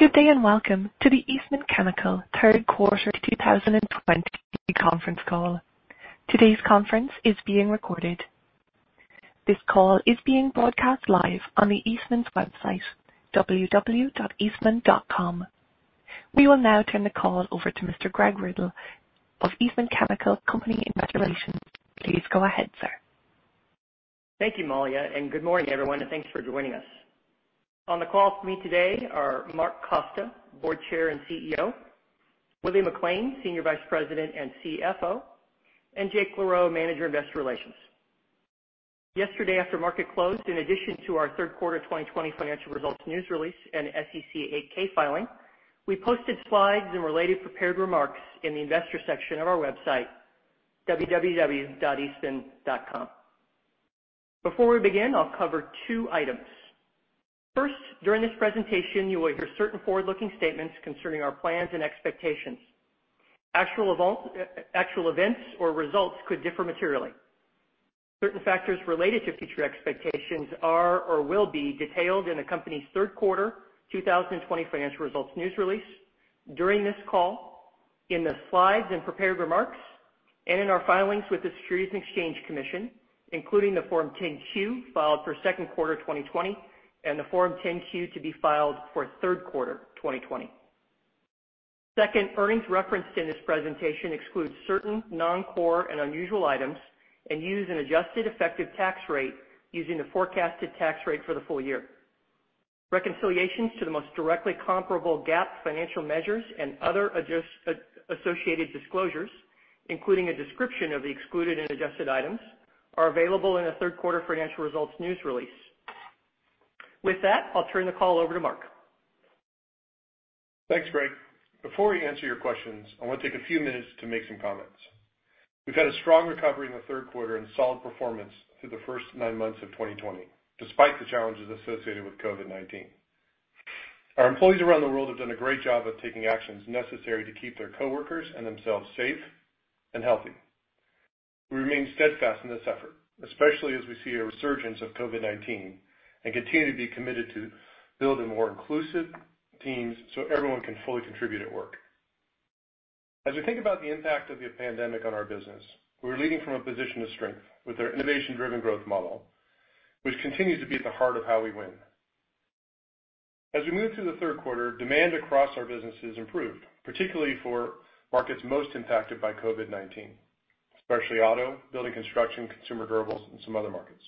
Good day, and welcome to the Eastman Chemical Q3 2020 Conference Call. Today's conference is being recorded. This call is being broadcast live on the Eastman's website, www.eastman.com. We will now turn the call over to Mr. Greg Riddle of Eastman Chemical Company Investor Relations. Please go ahead, sir. Thank you, Maria, and good morning, everyone, and thanks for joining us. On the call with me today are Mark Costa, Board Chair and CEO, Willie McLain, Senior Vice President and CFO, and Jake LaRoe, Manager of Investor Relations. Yesterday after market closed, in addition to our Q3 2020 financial results news release and SEC 8-K filing, we posted slides and related prepared remarks in the investor section of our website, www.eastman.com. Before we begin, I'll cover two items. First, during this presentation, you will hear certain forward-looking statements concerning our plans and expectations. Actual events or results could differ materially. Certain factors related to future expectations are or will be detailed in the company's Q3 2020 financial results news release, during this call, in the slides and prepared remarks, and in our filings with the Securities and Exchange Commission, including the Form 10-Q filed for Q2 2020 and the Form 10-Q to be filed for Q3 2020. Second, earnings referenced in this presentation excludes certain non-core and unusual items and use an adjusted effective tax rate using the forecasted tax rate for the full-year. Reconciliations to the most directly comparable GAAP financial measures and other associated disclosures, including a description of the excluded and adjusted items, are available in the Q3 financial results news release. With that, I'll turn the call over to Mark. Thanks, Greg. Before we answer your questions, I want to take a few minutes to make some comments. We've had a strong recovery in the third quarter and solid performance through the first nine months of 2020, despite the challenges associated with COVID-19. Our employees around the world have done a great job of taking actions necessary to keep their coworkers and themselves safe and healthy. We remain steadfast in this effort, especially as we see a resurgence of COVID-19, and continue to be committed to building more inclusive teams so everyone can fully contribute at work. As we think about the impact of the pandemic on our business, we're leading from a position of strength with our innovation-driven growth model, which continues to be at the heart of how we win. As we move through the third quarter, demand across our businesses improved, particularly for markets most impacted by COVID-19, especially auto, Building and Construction, consumer durables, and some other markets.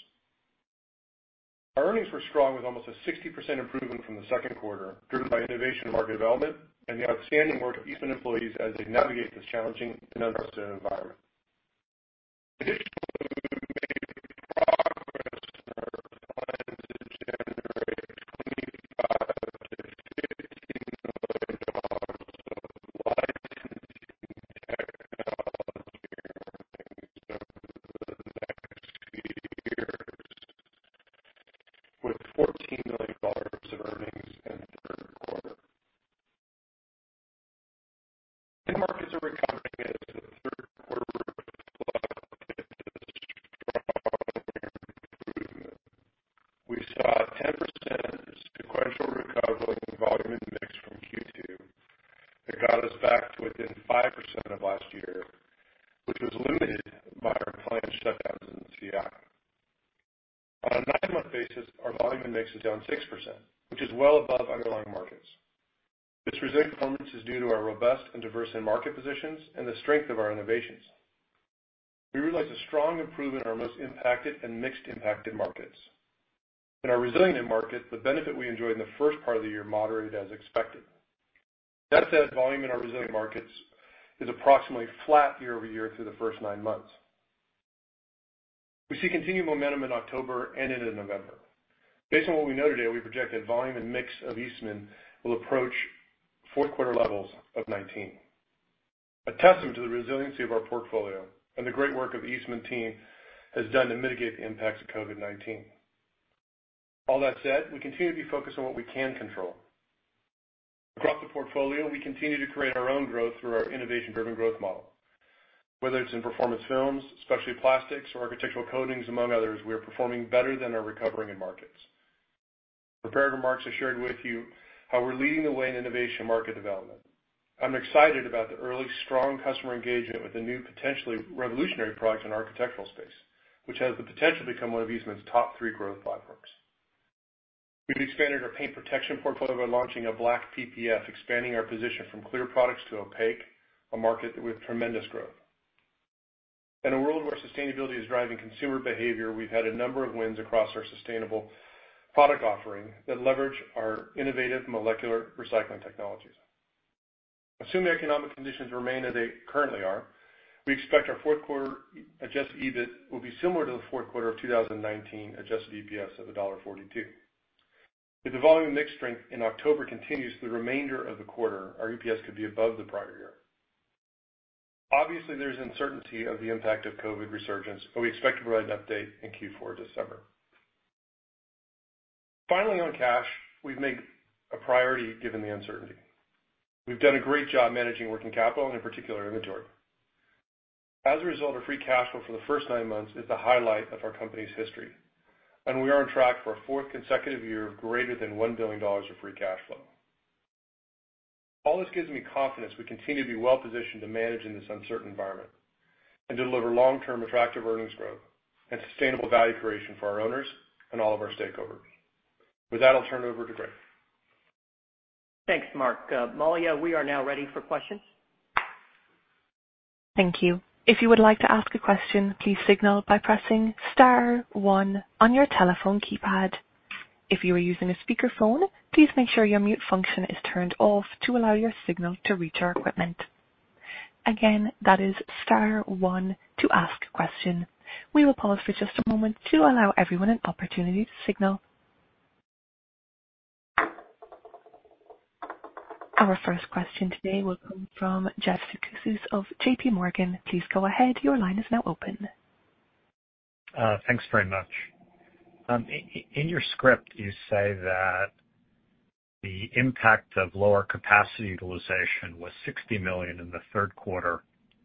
Our earnings were strong with almost a 60% improvement from the second quarter, driven by innovation and market development and the outstanding work of Eastman employees as they navigate this challenging and uncertain environment. Additionally, we've made progress on our plans to generate $25 million-$50 million of licensing technology earnings over the next few years, with $14 million in earnings in the Q3. End markets are recovering as the Q3 reflects this strong earnings improvement. We saw a 10% sequential recovery in volume and mix from Q2 that got us back to within 5% of last year, which was diluted by our planned shutdowns in the CI. On a nine-month basis, our volume and mix is down 6%, which is well above underlying markets. This resilience is due to our robust and diverse end market positions and the strength of our innovations. We realized a strong improvement in our most impacted and mixed impacted markets. In our resilient end market, the benefit we enjoyed in the first part of the year moderated as expected. That said, volume in our resilient markets is approximately flat year-over-year through the first nine months. We see continued momentum in October and into November. Based on what we know today, we project that volume and mix of Eastman will approach Q4 levels of 2019. A testament to the resiliency of our portfolio and the great work the Eastman team has done to mitigate the impacts of COVID-19. All that said, we continue to be focused on what we can control. Across the portfolio, we continue to create our own growth through our innovation-driven growth model. Whether it's in Performance Films, specialty plastics, or architectural coatings, among others, we are performing better than our recovering end markets. Prepared remarks I shared with you how we're leading the way in innovation market development. I'm excited about the early strong customer engagement with the new potentially revolutionary product in the architectural space, which has the potential to become one of Eastman's top three growth platforms. We've expanded our paint protection portfolio by launching a black PPF, expanding our position from clear products to opaque, a market with tremendous growth. In a world where sustainability is driving consumer behavior, we've had a number of wins across our sustainable product offering that leverage our innovative molecular recycling technologies. Assuming the economic conditions remain as they currently are, we expect our fourth quarter adjusted EBIT will be similar to the Q4 of 2019 adjusted EPS of $1.42. If the volume and mix strength in October continues through the remainder of the quarter, our EPS could be above the prior year. Obviously, there's uncertainty of the impact of COVID resurgence. We expect to provide an update in Q4 this summer. On cash, we've made a priority given the uncertainty. We've done a great job managing working capital and in particular inventory. As a result of free cash flow for the first nine months, it's the highlight of our company's history. We are on track for a fourth consecutive year of greater than $1 billion of free cash flow. All this gives me confidence we continue to be well-positioned to manage in this uncertain environment and deliver long-term attractive earnings growth and sustainable value creation for our owners and all of our stakeholders. With that, I'll turn over to Greg. Thanks, Mark. Maria, we are now ready for questions. Thank you. If you would like to ask a question, please signal by pressing star one on your telephone keypad. If you are using a speakerphone, please make sure your mute function is turned off to allow your signal to reach our equipment. Again, that is star one to ask a question. We will pause for just a moment to allow everyone an opportunity to signal. Our first question today will come from Jeff Zekauskas of JPMorgan. Please go ahead. Your line is now open. Thanks very much. In your script, you say that the impact of lower capacity utilization was $60 million in the Q3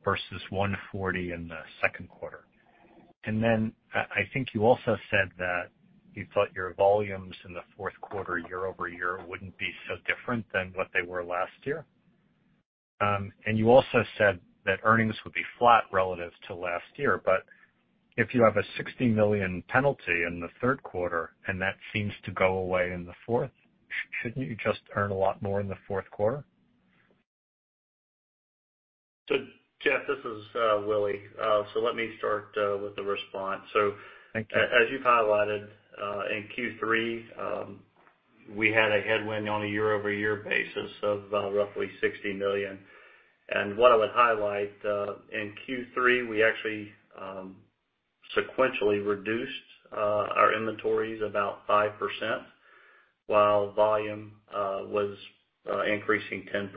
versus $140 in the Q2. Then I think you also said that you thought your volumes in the Q4 year-over-year wouldn't be so different than what they were last year. You also said that earnings would be flat relative to last year. If you have a $60 million penalty in the third quarter, and that seems to go away in the fourth, shouldn't you just earn a lot more in the Q4? Jeff, this is Willie. Let me start with the response. Thank you. As you've highlighted, in Q3, we had a headwind on a year-over-year basis of roughly $60 million. What I would highlight, in Q3, we actually sequentially reduced our inventories about 5% while volume was increasing 10%.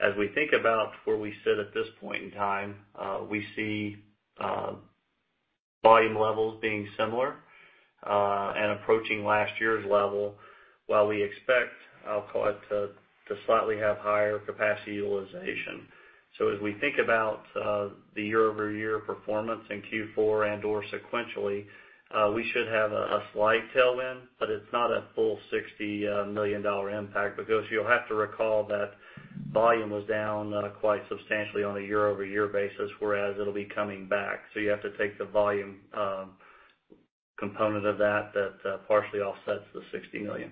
As we think about where we sit at this point in time, we see volume levels being similar, and approaching last year's level, while we expect acetyls to slightly have higher capacity utilization. As we think about the year-over-year performance in Q4 and/or sequentially, we should have a slight tailwind, but it's not a full $60 million impact because you'll have to recall that volume was down quite substantially on a year-over-year basis, whereas it'll be coming back. You have to take the volume component of that that partially offsets the $60 million.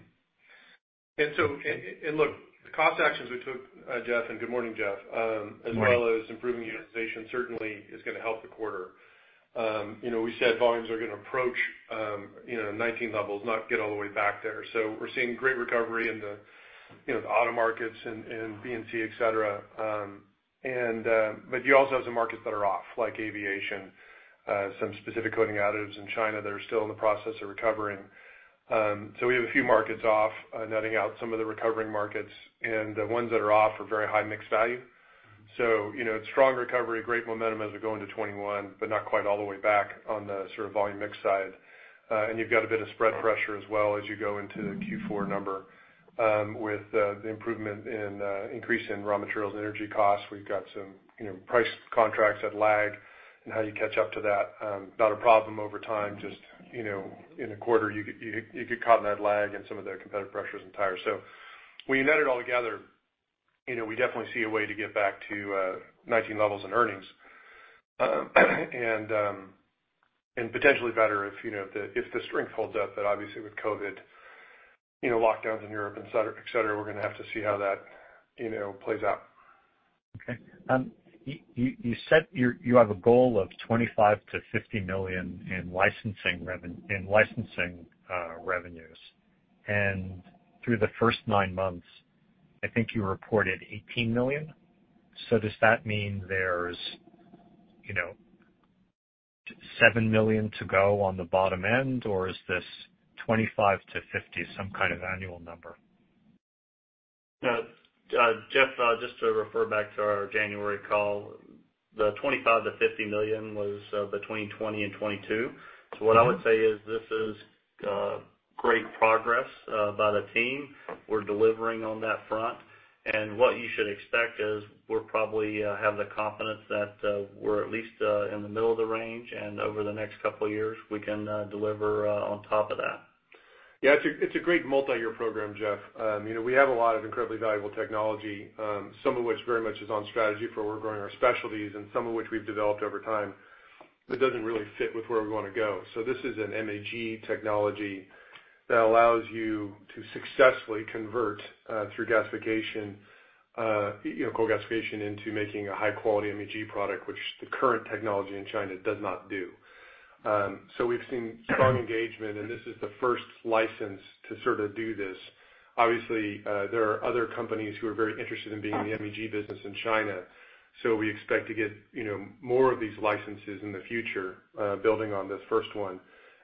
Look, the cost actions we took, Jeff, and good morning, Jeff. Good morning. As well as improving utilization certainly is going to help the quarter. We said volumes are going to approach 2019 levels, not get all the way back there. We're seeing great recovery in the auto markets and B&C, et cetera. You also have some markets that are off, like aviation, some specific coating additives in China that are still in the process of recovering. We have a few markets off, netting out some of the recovering markets, and the ones that are off are very high mixed value. Strong recovery, great momentum as we go into 2021, but not quite all the way back on the volume mix side. You've got a bit of spread pressure as well as you go into the Q4 number with the improvement in increase in raw materials and energy costs. We've got some price contracts that lag and how you catch up to that. Not a problem over time, just in a quarter, you get caught in that lag and some of the competitive pressures in tires. When you net it all together, we definitely see a way to get back to 2019 levels in earnings. Potentially better if the strength holds up, but obviously with COVID, lockdowns in Europe, et cetera, we're going to have to see how that plays out. Okay. You said you have a goal of $25 million-$50 million in licensing revenues. Through the first nine months, I think you reported $18 million. Does that mean there's $7 million to go on the bottom end, or is this $25-$50 some kind of annual number? Jeff, just to refer back to our January call, the $25 million-$50 million was between 2020 and 2022. What I would say is this is great progress by the team. We're delivering on that front. What you should expect is we probably have the confidence that we're at least in the middle of the range, and over the next couple of years, we can deliver on top of that. Yeah, it's a great multi-year program, Jeff. We have a lot of incredibly valuable technology, some of which very much is on strategy for where we're growing our specialties and some of which we've developed over time that doesn't really fit with where we want to go. This is an MEG technology that allows you to successfully convert through gasification, coal gasification into making a high-quality MEG product, which the current technology in China does not do. We've seen strong engagement, and this is the first license to sort of do this. Obviously, there are other companies who are very interested in being in the MEG business in China. We expect to get more of these licenses in the future, building on this first one.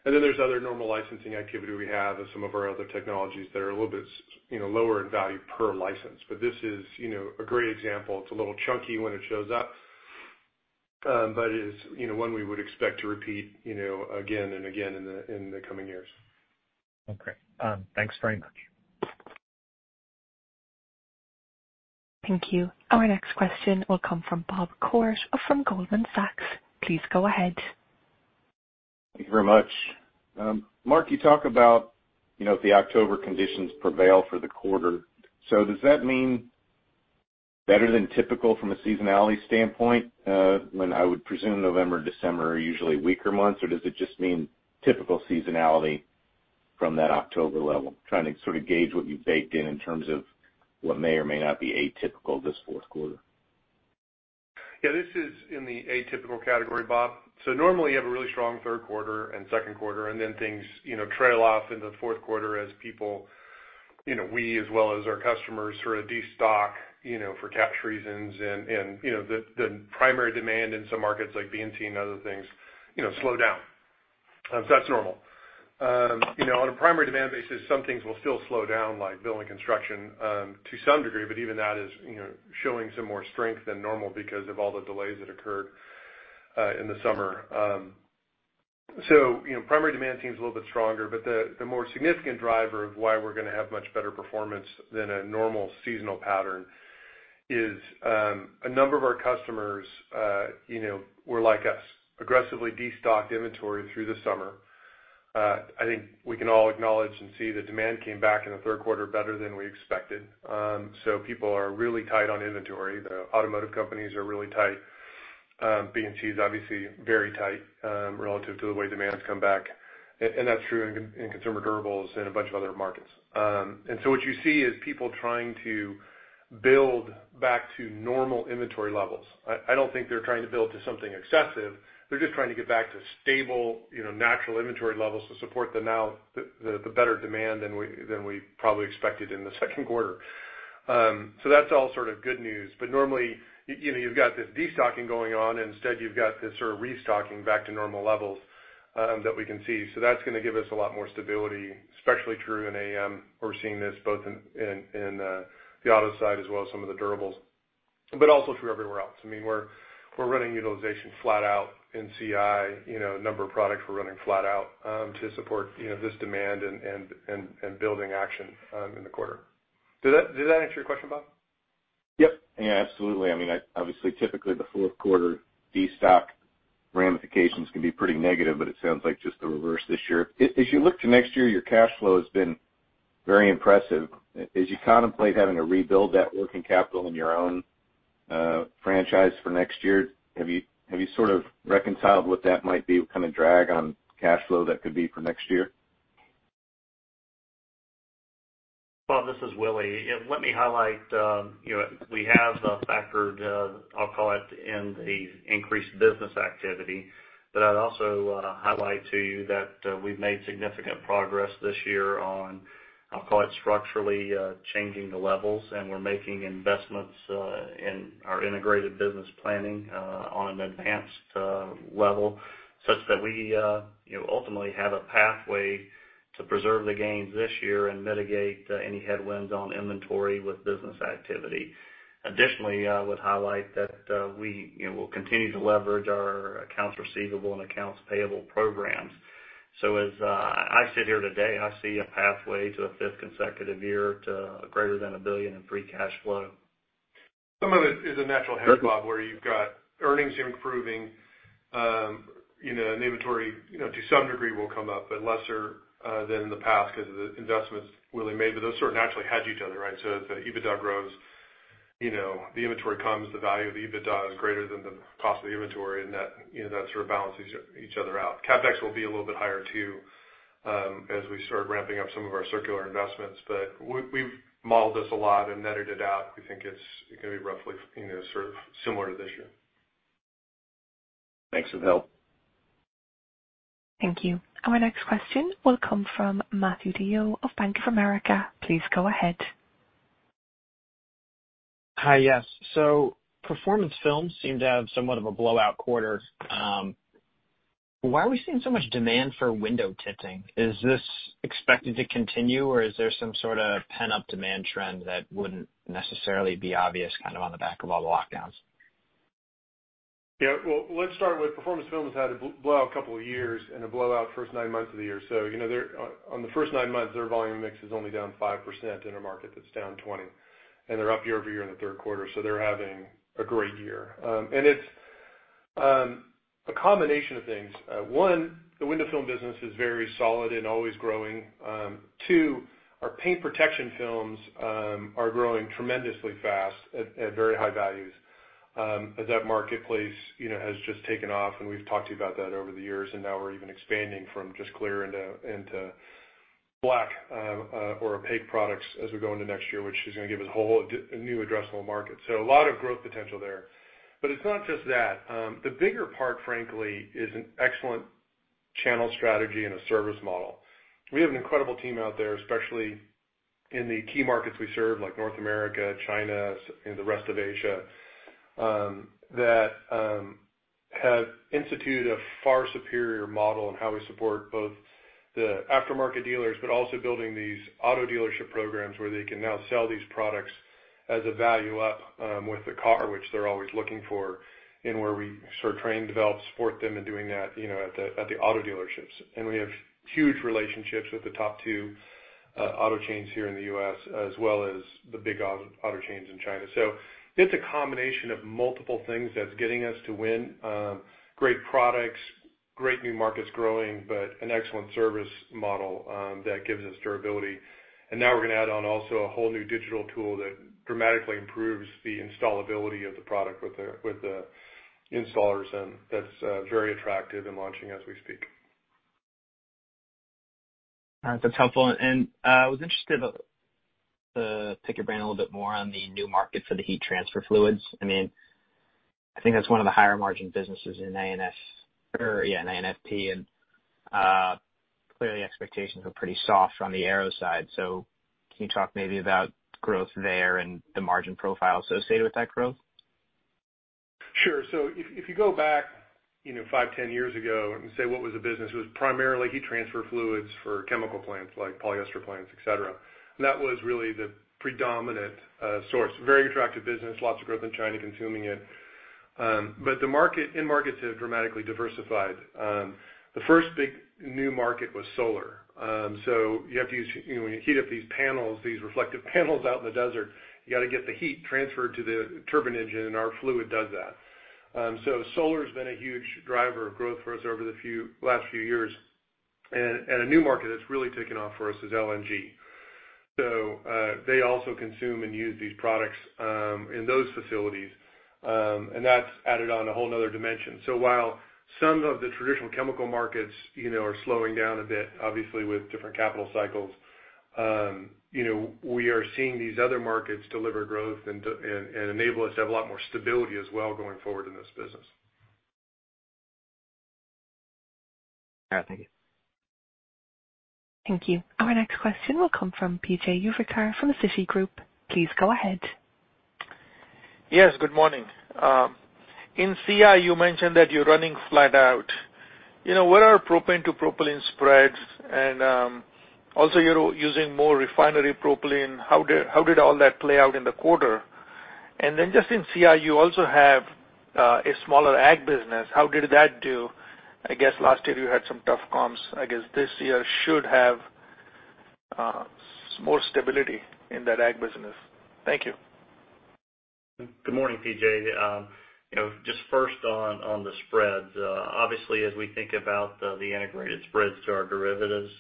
There's other normal licensing activity we have of some of our other technologies that are a little bit lower in value per license. This is a great example. It's a little chunky when it shows up, but it is one we would expect to repeat again and again in the coming years. Okay. Thanks very much. Thank you. Our next question will come from Bob Koort from Goldman Sachs. Please go ahead. Thank you very much. Mark, you talk about the October conditions prevail for the quarter. Does that mean better than typical from a seasonality standpoint? When I would presume November, December are usually weaker months, or does it just mean typical seasonality from that October level? Trying to sort of gauge what you've baked in terms of what may or may not be atypical this Q4. Yeah, this is in the atypical category, Bob. Normally, you have a really strong Q3 and Q2, and then things trail off into the Q4 as people, we as well as our customers sort of de-stock for cash reasons. The primary demand in some markets like B&C and other things slow down. That's normal. On a primary demand basis, some things will still slow down, like building construction to some degree, but even that is showing some more strength than normal because of all the delays that occurred in the summer. Primary demand seems a little bit stronger, but the more significant driver of why we're going to have much better performance than a normal seasonal pattern is a number of our customers were like us, aggressively de-stocked inventory through the summer. I think we can all acknowledge and see that demand came back in the third quarter better than we expected. People are really tight on inventory. The automotive companies are really tight. B&C is obviously very tight relative to the way demand's come back, and that's true in consumer durables and a bunch of other markets. What you see is people trying to build back to normal inventory levels. I don't think they're trying to build to something excessive. They're just trying to get back to stable, natural inventory levels to support the better demand than we probably expected in the second quarter. That's all sort of good news. Normally, you've got this de-stocking going on. Instead, you've got this sort of restocking back to normal levels that we can see. That's going to give us a lot more stability, especially true in AM. We're seeing this both in the auto side as well as some of the durables, but also true everywhere else. We're running utilization flat out in CI. A number of products we're running flat out to support this demand and building action in the quarter. Did that answer your question, Bob? Yep. Yeah, absolutely. Typically, the Q4 de-stock ramifications can be pretty negative, but it sounds like just the reverse this year. As you look to next year, your cash flow has been very impressive. As you contemplate having to rebuild that working capital in your own franchise for next year, have you sort of reconciled what that might be, what kind of drag on cash flow that could be for next year? Bob, this is Willie. Let me highlight we have factored, I'll call it in the increased business activity, but I'd also highlight to you that we've made significant progress this year on, I'll call it structurally changing the levels, and we're making investments in our integrated business planning on an advanced level such that we ultimately have a pathway to preserve the gains this year and mitigate any headwinds on inventory with business activity. Additionally, I would highlight that we will continue to leverage our accounts receivable and accounts payable programs. As I sit here today, I see a pathway to a fifth consecutive year to greater than $1 billion in free cash flow. Some of it is a natural hedge, Bob, where you've got earnings improving and inventory to some degree will come up, but lesser than in the past because of the investments Willie made. Those sort of naturally hedge each other, right? So as the EBITDA grows, the inventory comes, the value of EBITDA is greater than the cost of the inventory, and that sort of balances each other out. CapEx will be a little bit higher, too, as we start ramping up some of our circular investments. We've modeled this a lot and netted it out. We think it's going to be roughly sort of similar to this year. Thanks for the help. Thank you. Our next question will come from Matthew DeYoe of Bank of America. Please go ahead. Hi. Yes. Performance Films seemed to have somewhat of a blowout quarter. Why are we seeing so much demand for window tinting? Is this expected to continue, or is there some sort of pent-up demand trend that wouldn't necessarily be obvious kind of on the back of all the lockdowns? Well, let's start with Performance Films has had a blowout a couple of years and a blowout first nine months of the year. On the first nine months, their volume mix is only down 5% in a market that's down 20%, and they're up year-over-year in the Q3. They're having a great year. It's a combination of things. One, the window film business is very solid and always growing. Two, our paint protection films are growing tremendously fast at very high values. That marketplace has just taken off, and we've talked to you about that over the years, and now we're even expanding from just clear into black or opaque products as we go into next year, which is going to give us a whole new addressable market. A lot of growth potential there. It's not just that. The bigger part, frankly, is an excellent channel strategy and a service model. We have an incredible team out there, especially in the key markets we serve, like North America, China, and the rest of Asia, that have instituted a far superior model in how we support both the aftermarket dealers, but also building these auto dealership programs where they can now sell these products as a value up with the car, which they're always looking for, and where we sort of train, develop, support them in doing that at the auto dealerships. We have huge relationships with the top two auto chains here in the U.S. as well as the big auto chains in China. It's a combination of multiple things that's getting us to win. Great products, great new markets growing, but an excellent service model that gives us durability. Now we're going to add on also a whole new digital tool that dramatically improves the installability of the product with the installers, and that's very attractive and launching as we speak. All right. That's helpful. I was interested to pick your brain a little bit more on the new market for the heat transfer fluids. I think that's one of the higher margin businesses in AFP or in AFP, and clearly expectations are pretty soft on the aero side. Can you talk maybe about growth there and the margin profile associated with that growth? Sure. If you go back, five, 10 years ago and say what was the business, it was primarily heat transfer fluids for chemical plants like polyester plants, et cetera. That was really the predominant source. Very attractive business, lots of growth in China consuming it. End markets have dramatically diversified. The first big new market was solar. When you heat up these panels, these reflective panels out in the desert, you got to get the heat transferred to the turbine engine, and our fluid does that. Solar's been a huge driver of growth for us over the last few years. A new market that's really taken off for us is LNG. They also consume and use these products, in those facilities. That's added on a whole other dimension. While some of the traditional chemical markets are slowing down a bit, obviously with different capital cycles, we are seeing these other markets deliver growth and enable us to have a lot more stability as well going forward in this business. All right. Thank you. Thank you. Our next question will come from PJ Juvekar from Citigroup. Please go ahead. Yes. Good morning. In CI, you mentioned that you're running flat out. What are propane to propylene spreads? Also, you're using more refinery propylene. How did all that play out in the quarter? Just in CI, you also have a smaller ag business. How did that do? I guess last year you had some tough comps. I guess this year should have more stability in that ag business. Thank you. Good morning, PJ. Just first on the spreads. As we think about the integrated spreads to our derivatives,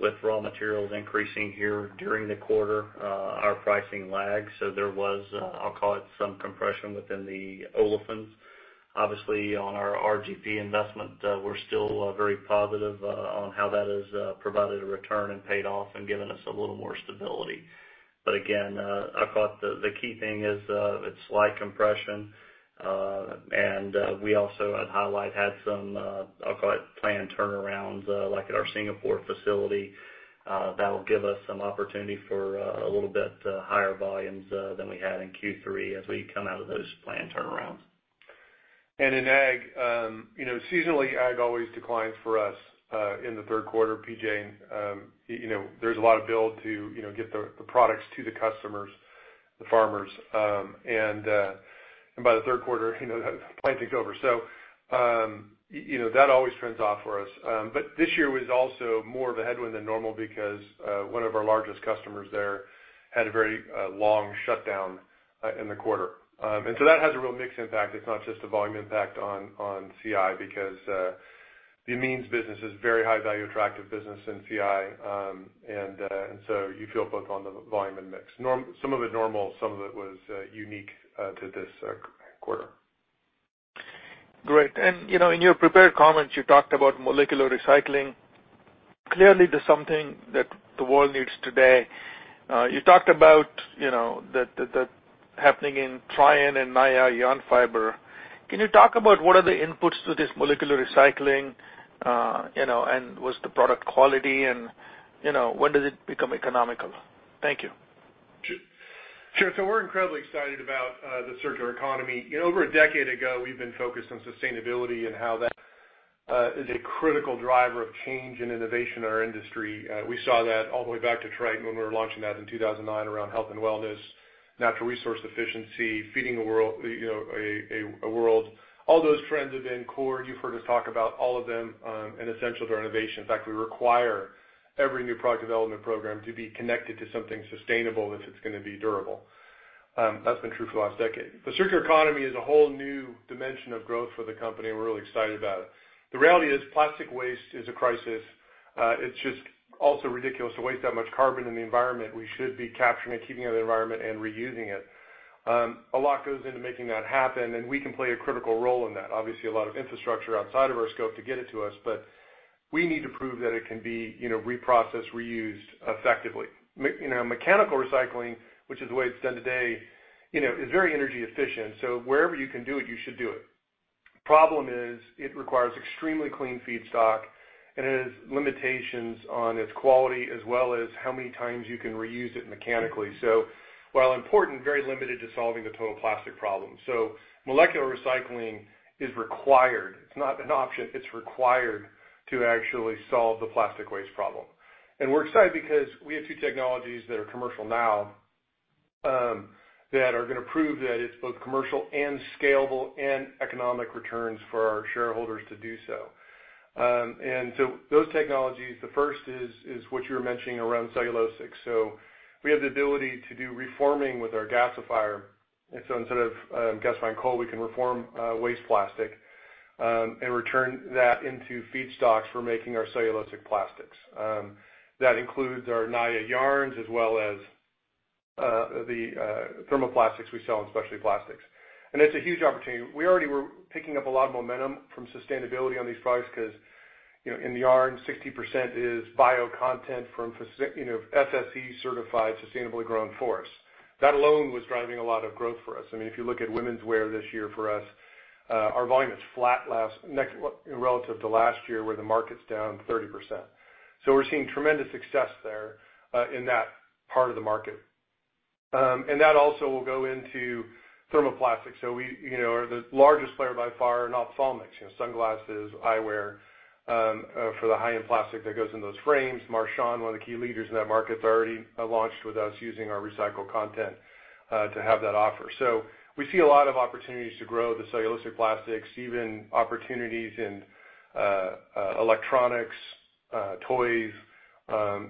with raw materials increasing here during the quarter, our pricing lags. There was, I'll call it some compression within the olefins. On our RGP investment, we're still very positive on how that has provided a return and paid off and given us a little more stability. Again, I thought the key thing is it's slight compression. We also, I'd highlight, had some, I'll call it planned turnarounds, like at our Singapore facility. That'll give us some opportunity for a little bit higher volumes than we had in Q3 as we come out of those planned turnarounds. In ag. Seasonally, ag always declines for us, in the Q3, PJ. There's a lot of build to get the products to the customers, the farmers. By the Q3, the planting's over. That always trends off for us. This year was also more of a headwind than normal because one of our largest customers there had a very long shutdown in the quarter. That has a real mix impact. It's not just a volume impact on CI because the amines business is very high value attractive business in CI. You feel it both on the volume and mix. Some of it normal, some of it was unique to this quarter. Great. In your prepared comments, you talked about molecular recycling. Clearly that's something that the world needs today. You talked about that happening in Tritan and Naia yarn fiber. Can you talk about what are the inputs to this molecular recycling, and what's the product quality and when does it become economical? Thank you. Sure. We're incredibly excited about the circular economy. Over a decade ago, we've been focused on sustainability and how that is a critical driver of change and innovation in our industry. We saw that all the way back to Tritan when we were launching that in 2009 around health and wellness, natural resource efficiency, feeding a world. All those trends have been core. You've heard us talk about all of them and essential to our innovation. In fact, we require every new product development program to be connected to something sustainable if it's going to be durable. That's been true for the last decade. The circular economy is a whole new dimension of growth for the company, and we're really excited about it. The reality is, plastic waste is a crisis. It's just also ridiculous to waste that much carbon in the environment. We should be capturing it, keeping it out of the environment, and reusing it. A lot goes into making that happen, and we can play a critical role in that. Obviously, a lot of infrastructure outside of our scope to get it to us, but we need to prove that it can be reprocessed, reused effectively. Mechanical recycling, which is the way it's done today, is very energy efficient. Wherever you can do it, you should do it. Problem is it requires extremely clean feedstock, and it has limitations on its quality as well as how many times you can reuse it mechanically. While important, very limited to solving the total plastic problem. Molecular recycling is required. It's not an option. It's required to actually solve the plastic waste problem. We're excited because we have two technologies that are commercial now that are going to prove that it's both commercial and scalable and economic returns for our shareholders to do so. Those technologies, the first is what you were mentioning around cellulosic. We have the ability to do reforming with our gasifier. Instead of gasifying coal, we can reform waste plastic and return that into feedstocks for making our cellulosic plastics. That includes our Naia yarns as well as the thermoplastics we sell in specialty plastics. It's a huge opportunity. We already were picking up a lot of momentum from sustainability on these products because, in the yarn, 60% is bio content from FSC-certified, sustainably grown forests. That alone was driving a lot of growth for us. If you look at womenswear this year for us, our volume is flat relative to last year, where the market's down 30%. We're seeing tremendous success there in that part of the market. That also will go into thermoplastics. We are the largest player by far in ophthalmics, sunglasses, eyewear, for the high-end plastic that goes into those frames. Marchon, one of the key leaders in that market, they already launched with us using our recycled content to have that offer. We see a lot of opportunities to grow the cellulosic plastics, even opportunities in electronics, toys,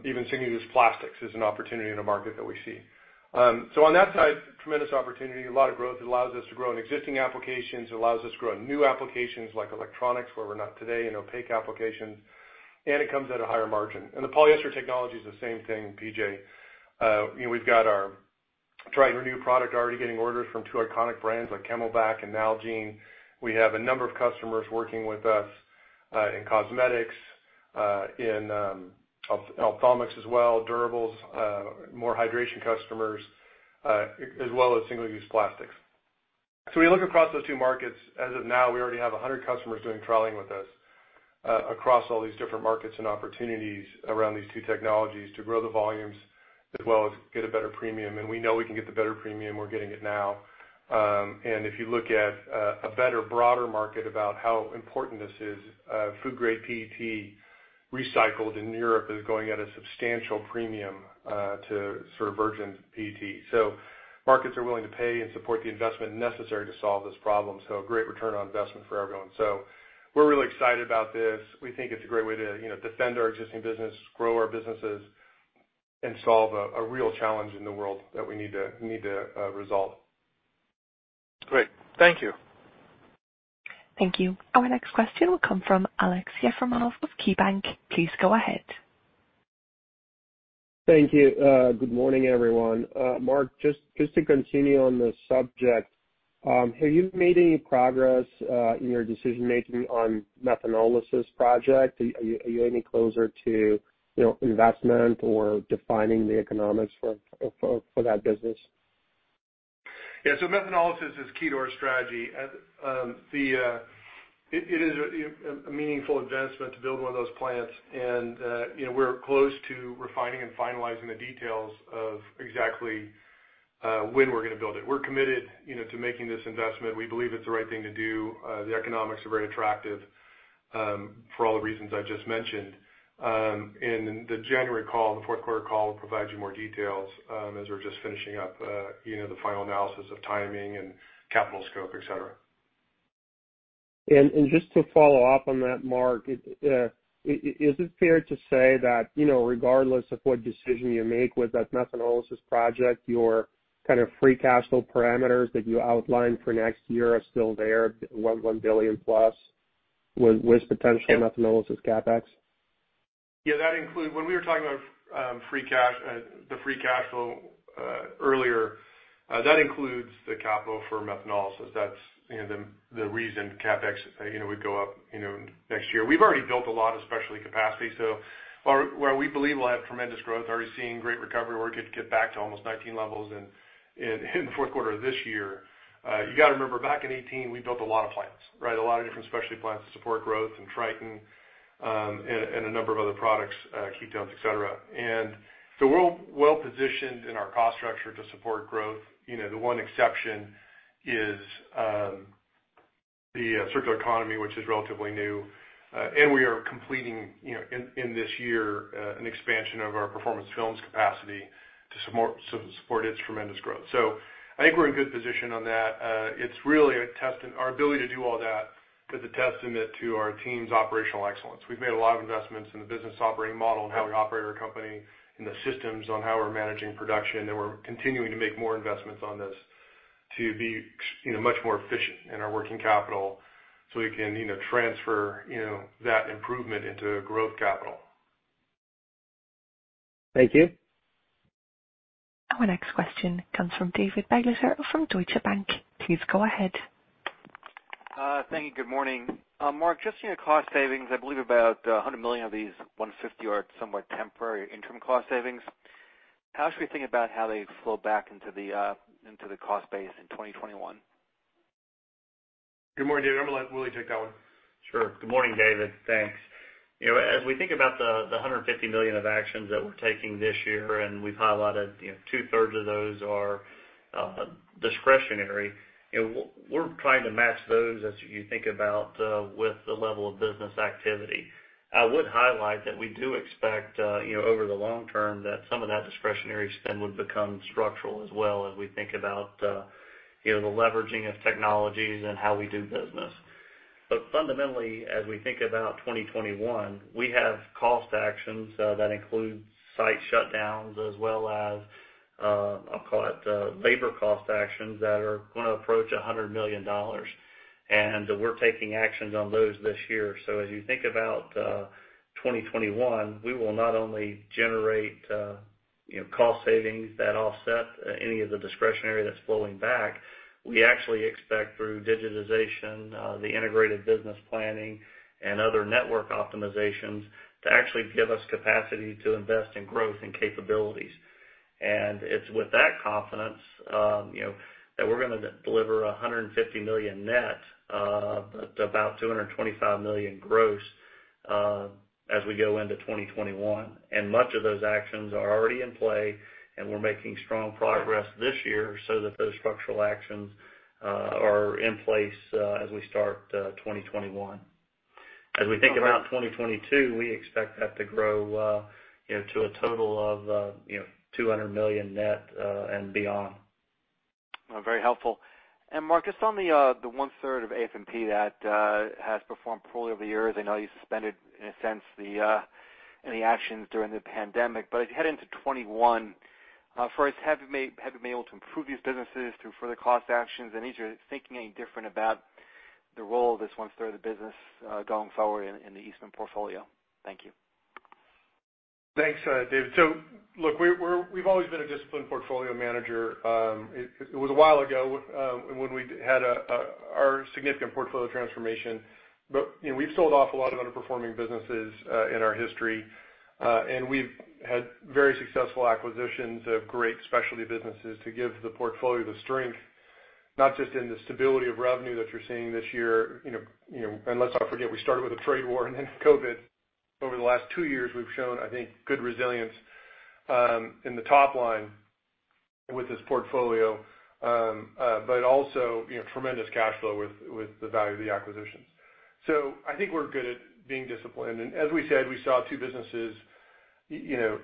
even single-use plastics is an opportunity in the market that we see. On that side, tremendous opportunity, a lot of growth. It allows us to grow in existing applications. It allows us to grow in new applications like electronics, where we're not today in opaque applications, and it comes at a higher margin. The polyester technology is the same thing, PJ. We've got our Tritan Renew product already getting orders from two iconic brands like CamelBak and Nalgene. We have a number of customers working with us in cosmetics, in ophthalmics as well, durables, more hydration customers, as well as single-use plastics. We look across those two markets. As of now, we already have 100 customers doing trialing with us across all these different markets and opportunities around these two technologies to grow the volumes as well as get a better premium. We know we can get the better premium. We're getting it now. If you look at a better, broader market about how important this is, food-grade PET recycled in Europe is going at a substantial premium to virgin PET. Markets are willing to pay and support the investment necessary to solve this problem. A great return on investment for everyone. We're really excited about this. We think it's a great way to defend our existing business, grow our businesses, and solve a real challenge in the world that we need to resolve. Great. Thank you. Thank you. Our next question will come from Aleksey Yefremov of KeyBanc. Please go ahead. Thank you. Good morning, everyone. Mark, just to continue on the subject, have you made any progress in your decision-making on methanolysis project? Are you any closer to investment or defining the economics for that business? Yeah. methanolysis is key to our strategy. It is a meaningful investment to build one of those plants, and we're close to refining and finalizing the details of exactly when we're going to build it. We're committed to making this investment. We believe it's the right thing to do. The economics are very attractive for all the reasons I just mentioned. In the January call, the fourth quarter call, we'll provide you more details as we're just finishing up the final analysis of timing and capital scope, et cetera. Just to follow up on that, Mark, is it fair to say that regardless of what decision you make with that methanolysis project, your kind of free cash flow parameters that you outlined for next year are still there, $1 billion plus with potential methanolysis CapEx? Yeah. When we were talking about the free cash flow earlier, that includes the capital for methanolysis. That's the reason CapEx would go up next year. We've already built a lot of specialty capacity, so where we believe we'll have tremendous growth, already seeing great recovery where we could get back to almost 2019 levels in Q4 of this year. You got to remember, back in 2018, we built a lot of plants, right? A lot of different specialty plants to support growth in Tritan and a number of other products, ketones, et cetera. We're well positioned in our cost structure to support growth. The one exception is the circular economy, which is relatively new. We are completing, in this year, an expansion of our Performance Films capacity to support its tremendous growth. I think we're in a good position on that. Our ability to do all that is a testament to our team's operational excellence. We've made a lot of investments in the business operating model and how we operate our company and the systems on how we're managing production. We're continuing to make more investments on this to be much more efficient in our working capital so we can transfer that improvement into growth capital. Thank you. Our next question comes from David Begleiter from Deutsche Bank. Please go ahead. Thank you. Good morning. Mark, just in your cost savings, I believe about $100 million of these $150 are somewhat temporary interim cost savings. How should we think about how they flow back into the cost base in 2021? Good morning, David. I'm going to let Willie take that one. Sure. Good morning, David. Thanks. As we think about the $150 million of actions that we're taking this year, we've highlighted two-thirds of those are discretionary. We're trying to match those as you think about with the level of business activity. I would highlight that we do expect over the long term that some of that discretionary spend would become structural as well as we think about the leveraging of technologies and how we do business. Fundamentally, as we think about 2021, we have cost actions that include site shutdowns as well as, I'll call it labor cost actions that are going to approach $100 million. We're taking actions on those this year. As you think about 2021, we will not only generate cost savings that offset any of the discretionary that's flowing back, we actually expect through digitization, the integrated business planning, and other network optimizations to actually give us capacity to invest in growth and capabilities. It's with that confidence that we're going to deliver $150 million net, about $225 million gross as we go into 2021. Much of those actions are already in play, and we're making strong progress this year so that those structural actions are in place as we start 2021. As we think about 2022, we expect that to grow to a total of $200 million net and beyond. Very helpful. Mark, just on the one-third of AFP that has performed poorly over the years, I know you suspended, in a sense, any actions during the pandemic. As you head into 2021, first, have you been able to improve these businesses through further cost actions? Is your thinking any different about the role of this one-third of the business going forward in the Eastman portfolio? Thank you. Thanks, David. Look, we've always been a disciplined portfolio manager. It was a while ago when we had our significant portfolio transformation, but we've sold off a lot of underperforming businesses in our history. We've had very successful acquisitions of great specialty businesses to give the portfolio the strength, not just in the stability of revenue that you're seeing this year, and let's not forget, we started with a trade war and then COVID. Over the last two years, we've shown, I think, good resilience in the top line with this portfolio, but also tremendous cash flow with the value of the acquisitions. I think we're good at being disciplined. As we said, we saw two businesses,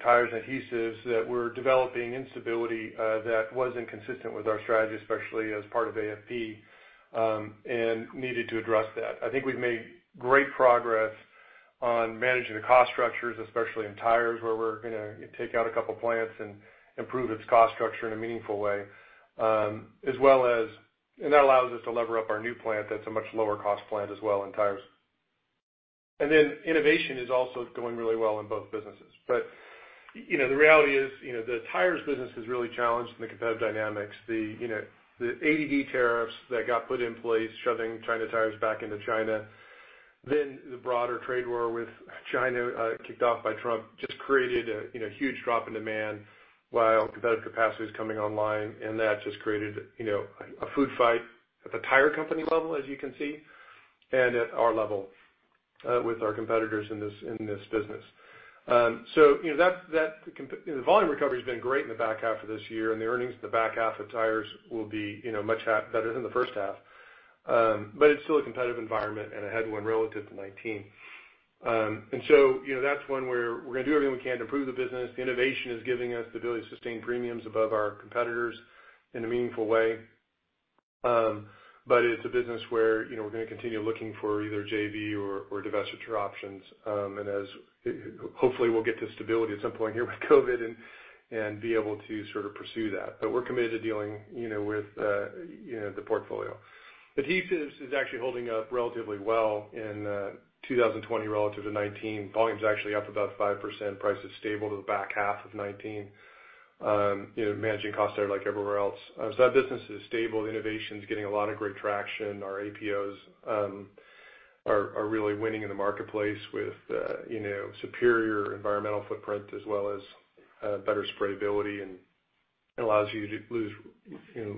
tires and adhesives, that were developing instability that wasn't consistent with our strategy, especially as part of AFP, and needed to address that. I think we've made great progress on managing the cost structures, especially in tires, where we're going to take out a couple plants and improve its cost structure in a meaningful way, and that allows us to lever up our new plant that's a much lower cost plant as well in tires. Innovation is also going really well in both businesses. The reality is the tires business is really challenged in the competitive dynamics. The ADD tariffs that got put in place, shoving China tires back into China, then the broader trade war with China kicked off by Trump just created a huge drop in demand while competitive capacity is coming online, and that just created a food fight at the tire company level, as you can see, and at our level with our competitors in this business. The volume recovery's been great in the back half of this year, and the earnings in the back half of tires will be much better than the first half. It's still a competitive environment and a headwind relative to 2019. That's one where we're going to do everything we can to improve the business. The innovation is giving us the ability to sustain premiums above our competitors in a meaningful way. It's a business where we're going to continue looking for either JV or divestiture options. As, hopefully, we'll get to stability at some point here with COVID-19 and be able to sort of pursue that. We're committed to dealing with the portfolio. Adhesives is actually holding up relatively well in 2020 relative to 2019. Volume's actually up about 5%, price is stable to the back half of 2019. Managing costs there like everywhere else. That business is stable. Innovation's getting a lot of great traction. Our APOs are really winning in the marketplace with superior environmental footprint as well as better sprayability and allows you to use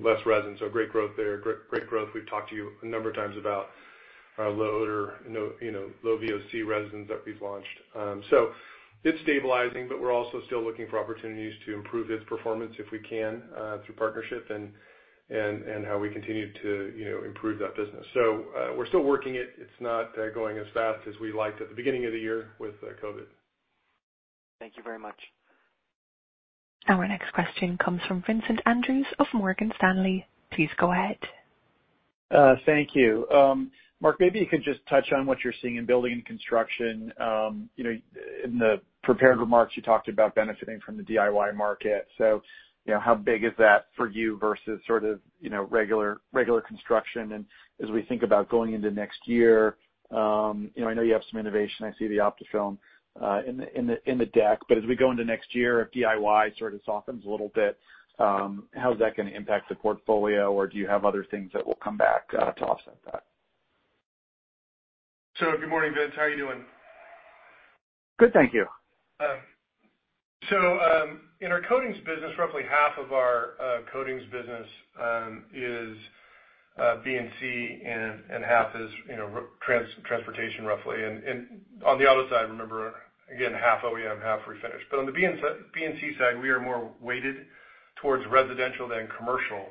less resin. Great growth there. We've talked to you a number of times about our low odor, low VOC resins that we've launched. It's stabilizing, but we're also still looking for opportunities to improve its performance if we can through partnership and how we continue to improve that business. We're still working it. It's not going as fast as we liked at the beginning of the year with COVID. Thank you very much. Our next question comes from Vincent Andrews of Morgan Stanley. Please go ahead. Thank you. Mark, maybe you could just touch on what you're seeing in building and construction. In the prepared remarks, you talked about benefiting from the DIY market. How big is that for you versus sort of regular construction? As we think about going into next year, I know you have some innovation. I see the Optifilm in the deck. As we go into next year, if DIY sort of softens a little bit, how is that going to impact the portfolio? Do you have other things that will come back to offset that? Good morning, Vince. How are you doing? Good, thank you. In our coatings business, roughly half of our coatings business is B&C, and half is transportation roughly. On the other side, remember again, half OEM, half refinish. On the B&C side, we are more weighted towards residential than commercial,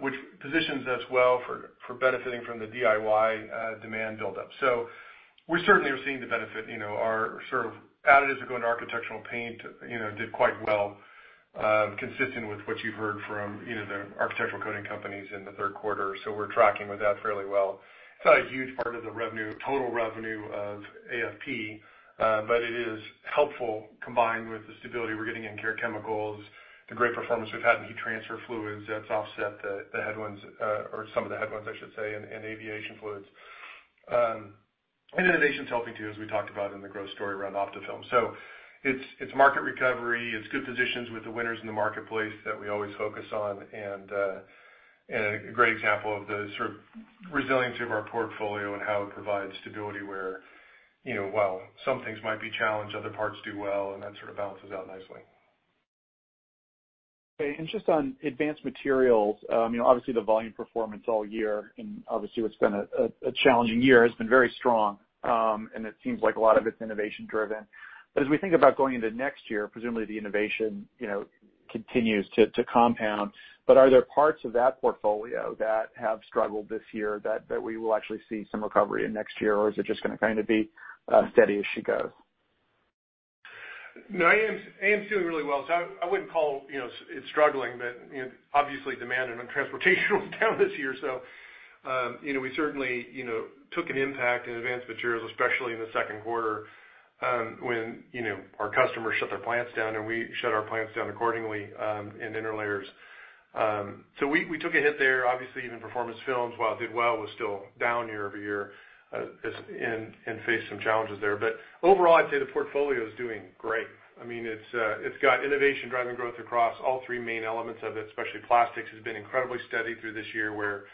which positions us well for benefiting from the DIY demand buildup. We certainly are seeing the benefit. Our sort of additives that go into architectural paint did quite well, consistent with what you've heard from the architectural coating companies in the third quarter. We're tracking with that fairly well. It's not a huge part of the total revenue of AFP, but it is helpful combined with the stability we're getting in care chemicals, the great performance we've had in heat transfer fluids that's offset the headwinds, or some of the headwinds, I should say, in aviation fluids. Innovation's helping too, as we talked about in the growth story around Optifilms. It's market recovery. It's good positions with the winners in the marketplace that we always focus on, and a great example of the sort of resiliency of our portfolio and how it provides stability where while some things might be challenged, other parts do well, and that sort of balances out nicely. Okay. Just on advanced materials, obviously the volume performance all year, and obviously what's been a challenging year, has been very strong. It seems like a lot of it's innovation driven. As we think about going into next year, presumably the innovation continues to compound. Are there parts of that portfolio that have struggled this year that we will actually see some recovery in next year, or is it just going to kind of be steady as she goes? No, AFP's doing really well. I wouldn't call it struggling, but obviously demand in transportation was down this year. We certainly took an impact in advanced materials, especially in the second quarter, when our customers shut their plants down, and we shut our plants down accordingly in interlayers. We took a hit there. Obviously, even Performance Films, while it did well, was still down year-over-year, and faced some challenges there. Overall, I'd say the portfolio's doing great. It's got innovation driving growth across all three main elements of it, specialty plastics, has been incredibly steady through this year, where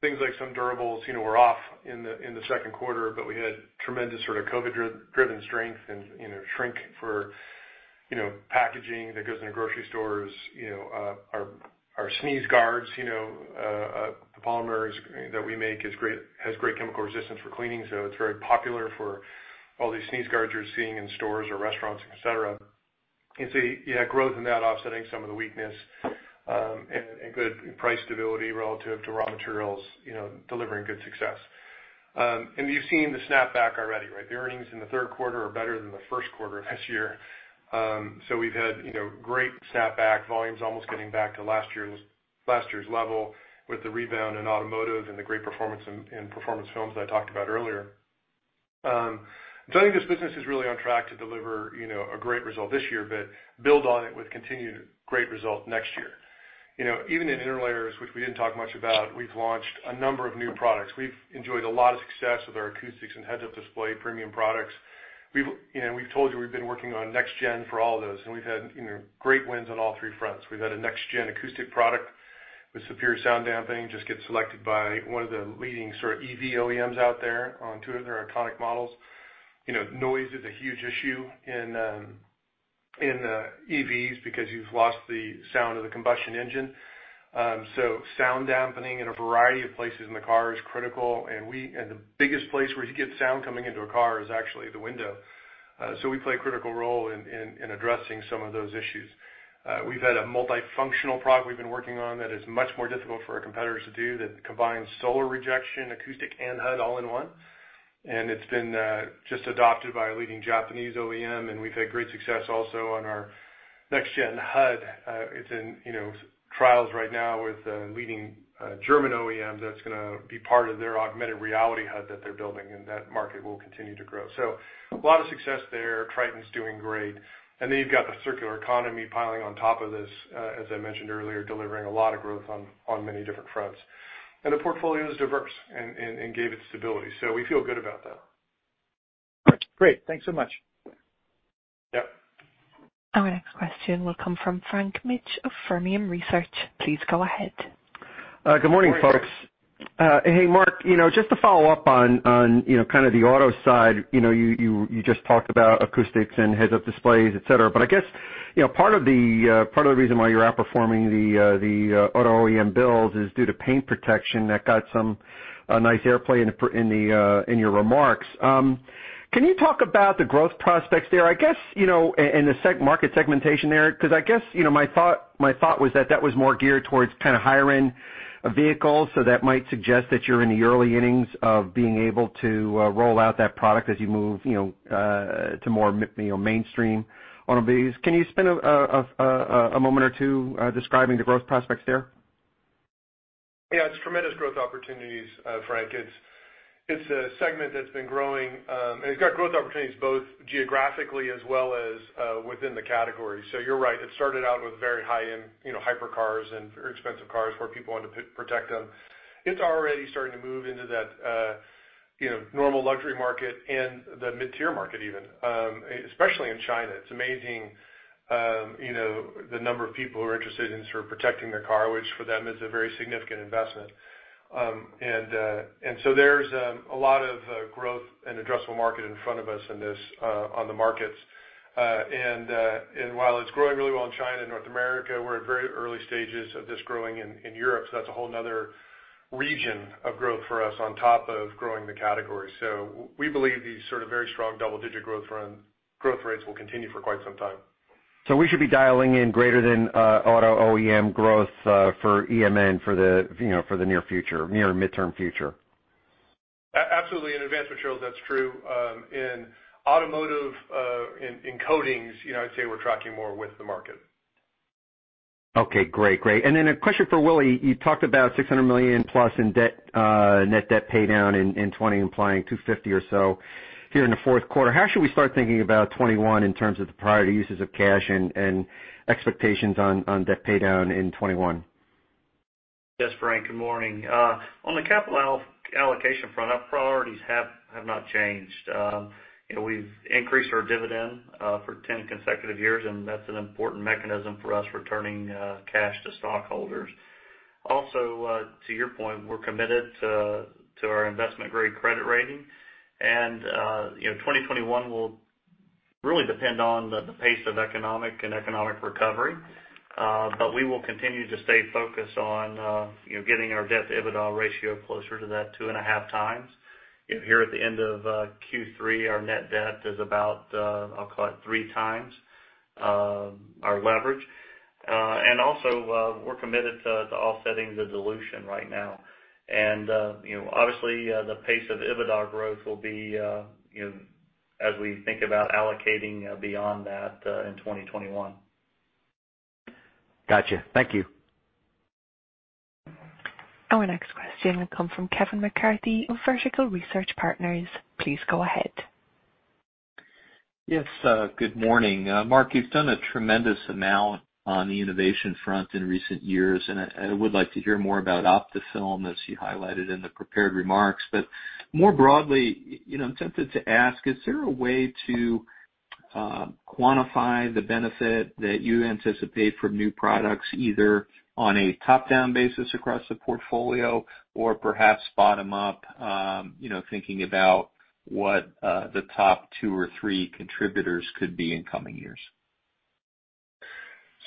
things like some durables were off in the second quarter. We had tremendous sort of COVID-driven strength and shrink for packaging that goes into grocery stores. Our sneeze guards, the polymers that we make, has great chemical resistance for cleaning. It's very popular for all these sneeze guards you're seeing in stores or restaurants, et cetera. You had growth in that offsetting some of the weakness, and good price stability relative to raw materials delivering good success. You've seen the snapback already, right? The earnings in the third quarter are better than the first quarter of this year. We've had great snapback. Volume's almost getting back to last year's level with the rebound in automotive and the great performance in Performance Films that I talked about earlier. I think this business is really on track to deliver a great result this year, but build on it with continued great result next year. Even in interlayers, which we didn't talk much about, we've launched a number of new products. We've enjoyed a lot of success with our acoustics and heads-up display premium products. We've told you we've been working on next gen for all of those, and we've had great wins on all three fronts. We've had a next gen acoustic product with superior sound dampening, just get selected by one of the leading sort of EV OEMs out there on two of their iconic models. Noise is a huge issue in EVs because you've lost the sound of the combustion engine. Sound dampening in a variety of places in the car is critical, and the biggest place where you get sound coming into a car is actually the window. We play a critical role in addressing some of those issues. We've had a multifunctional product we've been working on that is much more difficult for our competitors to do that combines solar rejection, acoustic, and HUD all in one. It's been just adopted by a leading Japanese OEM, and we've had great success also on our next gen HUD. It's in trials right now with a leading German OEM that's going to be part of their augmented reality HUD that they're building, and that market will continue to grow. A lot of success there. Tritan's doing great. Then you've got the circular economy piling on top of this, as I mentioned earlier, delivering a lot of growth on many different fronts. The portfolio is diverse and gave it stability, so we feel good about that. Great. Thanks so much. Yep. Our next question will come from Frank Mitsch of Fermium Research. Please go ahead. Good morning, folks. Good morning, Frank. Hey, Mark, just to follow up on kind of the auto side. You just talked about acoustics and heads-up displays, et cetera. I guess part of the reason why you're outperforming the auto OEM builds is due to paint protection that got some nice airplay in your remarks. Can you talk about the growth prospects there and the market segmentation there? I guess my thought was that that was more geared towards kind of higher-end vehicles. That might suggest that you're in the early innings of being able to roll out that product as you move to more mainstream automobiles. Can you spend a moment or two describing the growth prospects there? Yeah, it's tremendous growth opportunities, Frank. It's a segment that's been growing, and it's got growth opportunities both geographically as well as within the category. You're right. It started out with very high-end hypercars and very expensive cars where people wanted to protect them. It's already starting to move into that normal luxury market and the mid-tier market even, especially in China. It's amazing the number of people who are interested in sort of protecting their car, which for them is a very significant investment. There's a lot of growth and addressable market in front of us on the markets. While it's growing really well in China and North America, we're at very early stages of this growing in Europe. That's a whole other region of growth for us on top of growing the category. We believe these sort of very strong double-digit growth rates will continue for quite some time. We should be dialing in greater than auto OEM growth for Eastman for the near future, near and midterm future. Absolutely. In advanced materials, that's true. In automotive, in coatings, I'd say we're tracking more with the market. Okay, great. A question for Willie. You talked about $600 million plus in net debt paydown in 2020, implying $250 or so here in the Q4. How should we start thinking about 2021 in terms of the priority uses of cash and expectations on debt paydown in 2021? Yes, Frank, good morning. On the capital allocation front, our priorities have not changed. We've increased our dividend for 10 consecutive years, that's an important mechanism for us returning cash to stockholders. Also, to your point, we're committed to our investment-grade credit rating, 2021 will really depend on the pace of economic and economic recovery. We will continue to stay focused on getting our debt-EBITDA ratio closer to that 2.5 times. Here at the end of Q3, our net debt is about, I'll call it 3 times our leverage. Also, we're committed to offsetting the dilution right now. Obviously, the pace of EBITDA growth will be as we think about allocating beyond that in 2021. Got you. Thank you. Our next question will come from Kevin McCarthy of Vertical Research Partners. Please go ahead. Yes. Good morning. Mark, you've done a tremendous amount on the innovation front in recent years. I would like to hear more about Optifilm, as you highlighted in the prepared remarks. More broadly, I'm tempted to ask, is there a way to quantify the benefit that you anticipate from new products, either on a top-down basis across the portfolio or perhaps bottom up, thinking about what the top two or three contributors could be in coming years?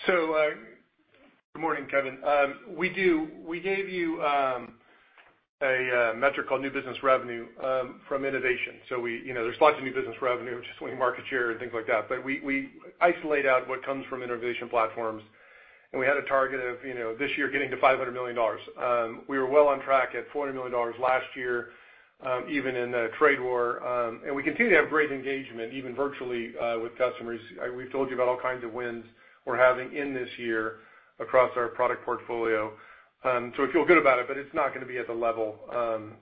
Good morning, Kevin. We do. We gave you a metric called new business revenue from innovation. There's lots of new business revenue, just winning market share and things like that. We isolate out what comes from innovation platforms, and we had a target of this year getting to $500 million. We were well on track at $400 million last year, even in the trade war. We continue to have great engagement, even virtually, with customers. We've told you about all kinds of wins we're having in this year across our product portfolio. We feel good about it, but it's not going to be at the level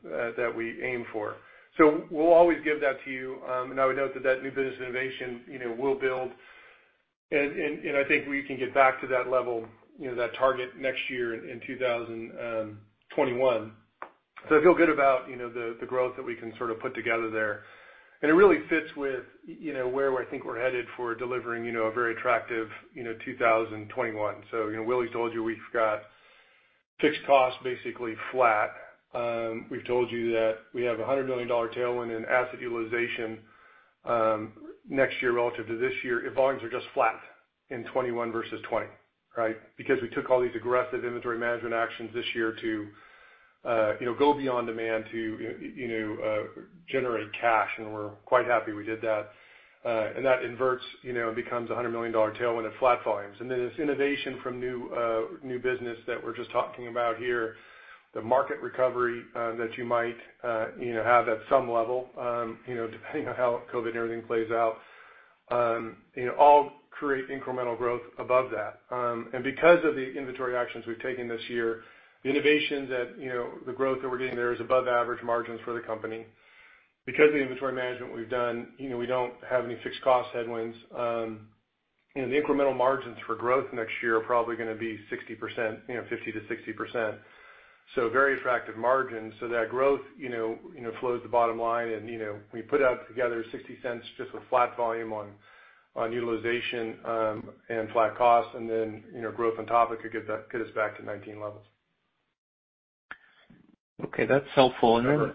that we aim for. We'll always give that to you, and I would note that that new business innovation will build, and I think we can get back to that level, that target next year in 2021. I feel good about the growth that we can sort of put together there. It really fits with where I think we're headed for delivering a very attractive 2021. Willie's told you we've got fixed costs basically flat. We've told you that we have a $100 million tailwind in asset utilization next year relative to this year if volumes are just flat in 2021 versus 2020, right? Because we took all these aggressive inventory management actions this year to go beyond demand to generate cash, and we're quite happy we did that. That inverts, it becomes a $100 million tailwind at flat volumes. Then this innovation from new business that we're just talking about here, the market recovery that you might have at some level, depending on how COVID and everything plays out, all create incremental growth above that. Because of the inventory actions we've taken this year, the innovations that the growth that we're getting there is above average margins for the company. Because of the inventory management we've done, we don't have any fixed cost headwinds. The incremental margins for growth next year are probably going to be 60%, 50%-60%. Very attractive margins. That growth flows to bottom line and we put out together $0.60 just with flat volume on utilization and flat cost, and then growth on top of it could get us back to 2019 levels. Okay, that's helpful. Then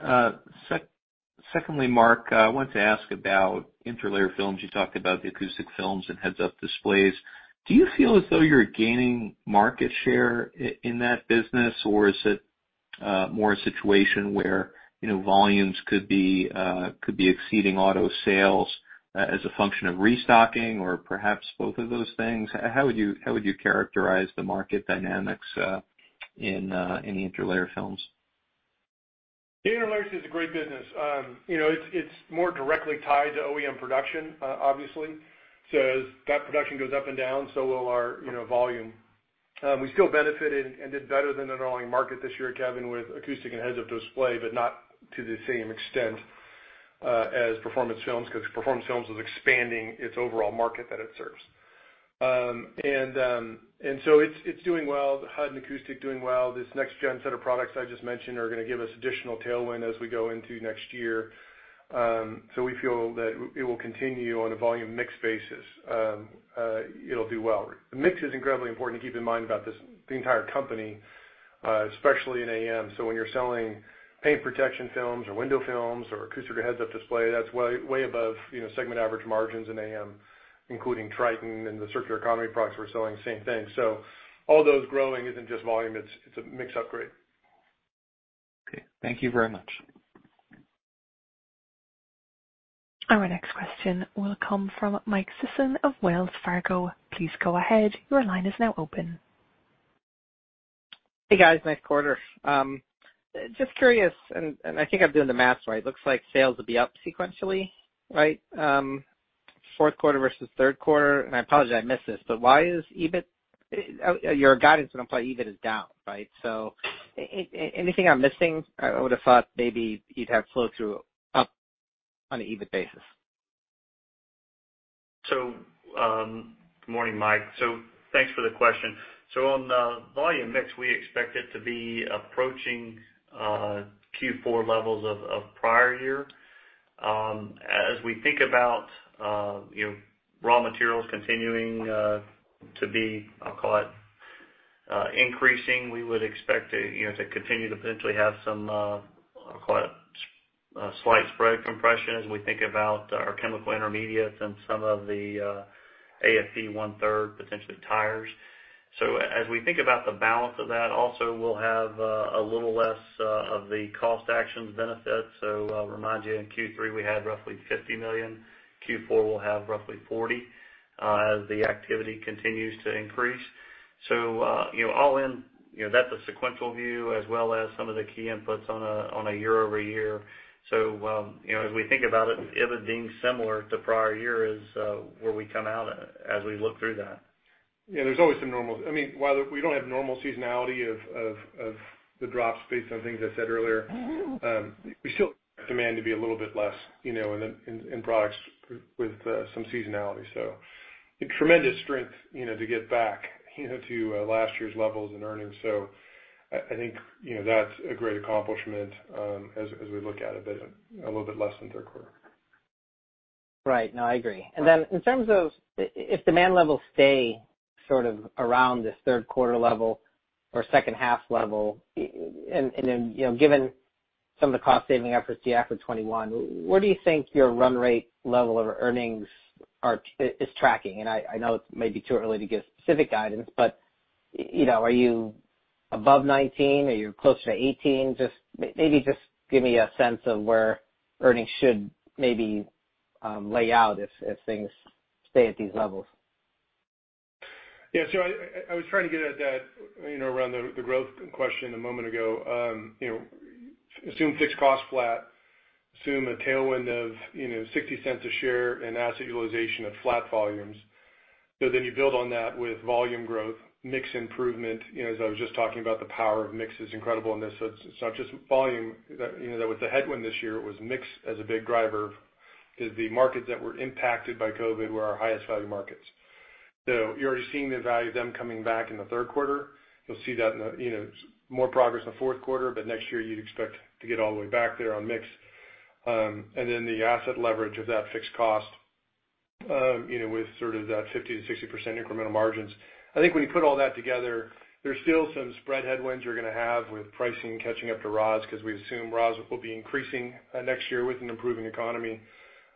secondly, Mark, I wanted to ask about interlayer films. You talked about the acoustic films and heads-up displays. Do you feel as though you're gaining market share in that business, or is it more a situation where volumes could be exceeding auto sales as a function of restocking or perhaps both of those things? How would you characterize the market dynamics in interlayer films? The interlayer is a great business. It's more directly tied to OEM production, obviously. As that production goes up and down, so will our volume. We still benefited and did better than an underlying market this year, Kevin, with acoustic and heads-up display, but not to the same extent as Performance Films, because Performance Films is expanding its overall market that it serves. It's doing well. HUD and acoustic are doing well. This next gen set of products I just mentioned are going to give us additional tailwind as we go into next year. We feel that it will continue on a volume mix basis. It'll do well. The mix is incredibly important to keep in mind about the entire company, especially in AM. When you're selling paint protection films or window films or acoustic or heads-up display, that's way above segment average margins in AFP, including Tritan and the circular economy products we're selling, same thing. All those growing isn't just volume, it's a mix upgrade. Okay. Thank you very much. Our next question will come from Mike Sison of Wells Fargo. Please go ahead. Your line is now open. Hey, guys. Nice quarter. Just curious, I think I'm doing the math right. Looks like sales will be up sequentially, right? Q4 versus third quarter, I apologize, I missed this, your guidance would imply EBIT is down, right? Anything I'm missing? I would have thought maybe you'd have flow-through up on an EBIT basis. Good morning, Mike. Thanks for the question. On the volume mix, we expect it to be approaching Q4 levels of prior year. As we think about raw materials continuing to be, I'll call it increasing, we would expect to continue to potentially have some, I'll call it slight spread compression as we think about our chemical intermediates and some of the AFP one-third, potentially tires. As we think about the balance of that, also, we'll have a little less of the cost actions benefit. I'll remind you, in Q3, we had roughly $50 million. Q4 will have roughly $40 as the activity continues to increase. All in, that's a sequential view as well as some of the key inputs on a year-over-year. As we think about it, EBIT being similar to prior year is where we come out as we look through that. Yeah, there's always some normal. While we don't have normal seasonality of the drops based on things I said earlier, we still expect demand to be a little bit less in products with some seasonality. Tremendous strength to get back to last year's levels in earnings. I think that's a great accomplishment as we look at it, but a little bit less than Q3. Right. No, I agree. In terms of if demand levels stay sort of around this third quarter level or second half level, given some of the cost-saving efforts you have for 2021, where do you think your run rate level of earnings is tracking? I know it may be too early to give specific guidance, but are you above 2019? Are you closer to 2018? Maybe just give me a sense of where earnings should maybe lay out if things stay at these levels. Yeah. I was trying to get at that around the growth question a moment ago. Assume fixed cost flat, assume a tailwind of $0.60 a share and asset utilization of flat volumes. You build on that with volume growth, mix improvement. As I was just talking about, the power of mix is incredible in this. It's not just volume that was the headwind this year. It was mix as a big driver, because the markets that were impacted by COVID were our highest value markets. You're already seeing the value of them coming back in the Q3. You'll see more progress in the Q4, but next year, you'd expect to get all the way back there on mix. The asset leverage of that fixed cost with sort of that 50%-60% incremental margins. I think when you put all that together, there's still some spread headwinds you're going to have with pricing catching up to raws because we assume raws will be increasing next year with an improving economy.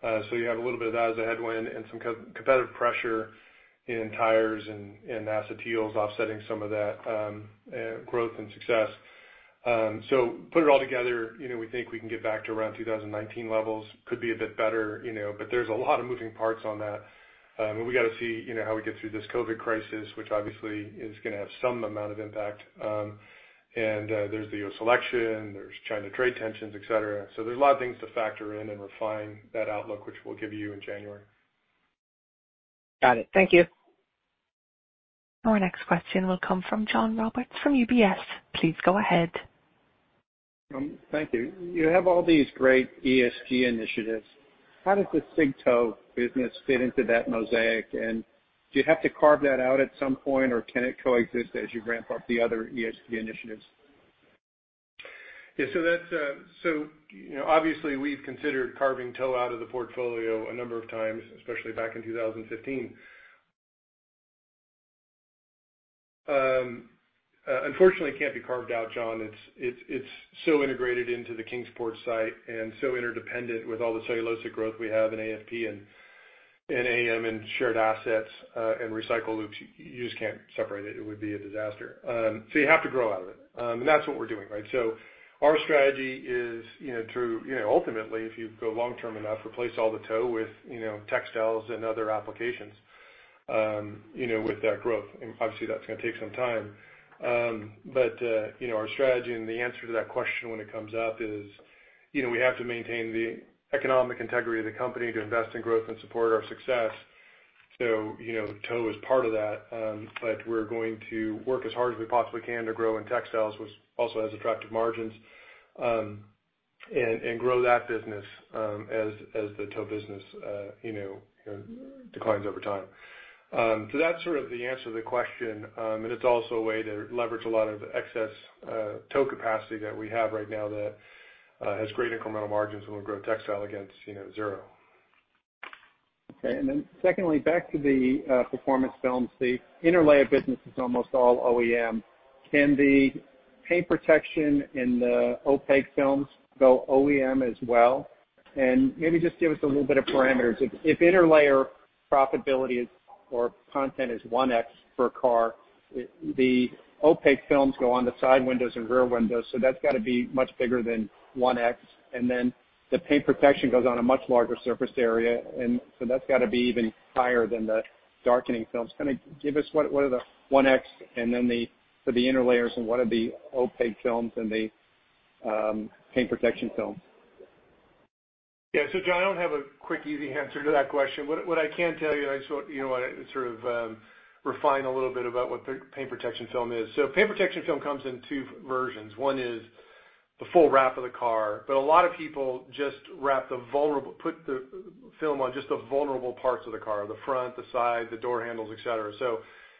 You have a little bit of that as a headwind and some competitive pressure in tires and acetyls offsetting some of that growth and success. Put it all together, we think we can get back to around 2019 levels. Could be a bit better, there's a lot of moving parts on that. We got to see how we get through this COVID crisis, which obviously is going to have some amount of impact. There's the election, there's China trade tensions, et cetera. There's a lot of things to factor in and refine that outlook, which we'll give you in January. Got it. Thank you. Our next question will come from John Roberts from UBS. Please go ahead. Thank you. You have all these great ESG initiatives. How does the cig tow business fit into that mosaic? Do you have to carve that out at some point, or can it coexist as you ramp up the other ESG initiatives? Yeah. Obviously we've considered carving tow out of the portfolio a number of times, especially back in 2015. Unfortunately, it can't be carved out, John. It's so integrated into the Kingsport site and so interdependent with all the cellulosic growth we have in AFP and AM and shared assets and recycle loops. You just can't separate it. It would be a disaster. You have to grow out of it, that's what we're doing, right? Our strategy is to ultimately, if you go long-term enough, replace all the tow with textiles and other applications with that growth, obviously that's going to take some time. Our strategy and the answer to that question when it comes up is we have to maintain the economic integrity of the company to invest in growth and support our success. Tow is part of that. We're going to work as hard as we possibly can to grow in textiles, which also has attractive margins, and grow that business as the tow business declines over time. That's sort of the answer to the question, and it's also a way to leverage a lot of excess tow capacity that we have right now that has great incremental margins when we grow textile against zero. Okay. Secondly, back to the Performance Films. The interlayers business is almost all OEM. Can the paint protection in the opaque films go OEM as well? Maybe just give us a little bit of parameters. If interlayer profitability or content is 1X per car. The opaque films go on the side windows and rear windows, so that's got to be much bigger than 1X, and then the paint protection goes on a much larger surface area, and so that's got to be even higher than the darkening films. Give us what are the 1X and then for the interlayers and what are the opaque films and the paint protection films? John, I don't have a quick, easy answer to that question. What I can tell you, I just want to sort of refine a little bit about what the paint protection film is. Paint protection film comes in two versions. One is the full wrap of the car, but a lot of people just put the film on just the vulnerable parts of the car, the front, the sides, the door handles, et cetera.